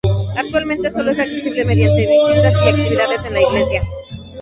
Actualmente sólo es accesible mediante visitas y actividades en la iglesia.